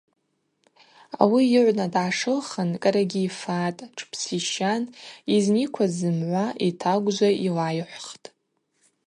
Ауи йыгӏвна дгӏашылхын кӏарагьи йфатӏ, тшпсищан, йызникваз зымгӏва йтагвжва йлайхӏвхтӏ.